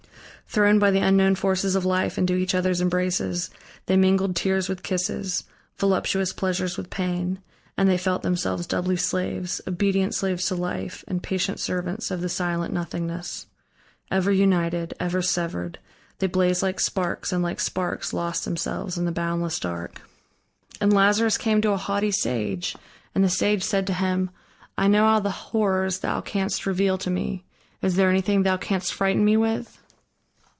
Thrown by the unknown forces of life into each other's embraces, they mingled tears with kisses, voluptuous pleasures with pain, and they felt themselves doubly slaves, obedient slaves to life, and patient servants of the silent Nothingness. Ever united, ever severed, they blazed like sparks and like sparks lost themselves in the boundless Dark. And Lazarus came to a haughty sage, and the sage said to him: "I know all the horrors thou canst reveal to me. Is there anything thou canst frighten me with?"